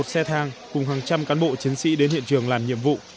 một xe thang cùng hàng trăm cán bộ chiến sĩ đến hiện trường làm nhiệm vụ